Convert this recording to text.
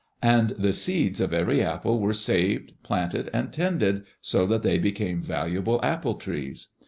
And the seeds of every apple were saved, planted, and tended, so that they became valuable apple trees.